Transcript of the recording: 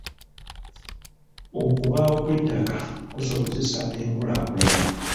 Okubaawo kw'ettaka kusobozesa enkulaakulana.